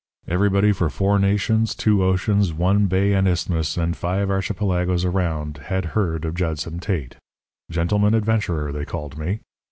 Everybody for four nations, two oceans, one bay and isthmus, and five archipelagoes around had heard of Judson Tate. Gentleman adventurer, they called me.